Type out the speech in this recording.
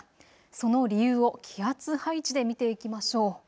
その理由を気圧配置で見ていきましょう。